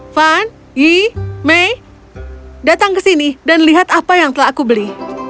fen yi mei datang ke sini dan lihat apa yang telah aku beli